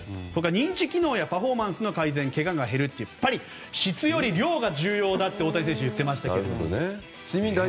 認知機能やパフォーマンスの改善けがが減るとやっぱり質より量が重要だと大谷選手、言ってましたけども。